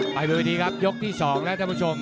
ไปไปพยาบาลครับยกที่๒แล้วท่านผู้ชม